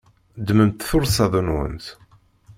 Ddmemt tursaḍ-nwent.